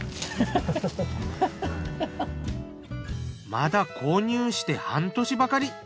まだ購入して半年ばかり。